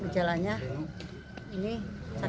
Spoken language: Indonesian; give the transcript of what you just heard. gejalanya ini sakit